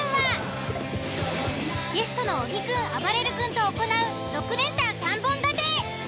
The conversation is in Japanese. ゲストの小木くんあばれる君と行う６連単３本立て。